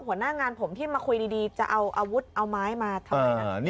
หัวหน้างานผมที่มาคุยดีจะเอาอาวุธเอาไม้มาทำไมนะ